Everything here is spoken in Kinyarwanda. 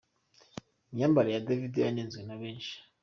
Imyambarire ya Davido yanenzwe na benshi.